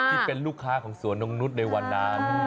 ที่เป็นลูกค้าของสวนนกนุษย์ในวันนั้น